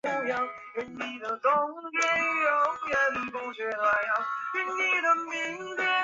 他毕业于艾塞克斯大学。